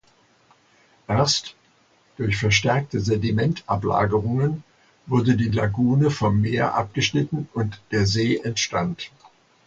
Erst durch verstärkte Sedimentablagerungen wurde die Lagune vom Meer abgeschnitten und der See entstand.